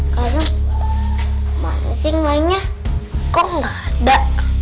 karim mana sink lainnya kok gak ada